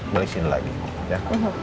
balik sini lagi ya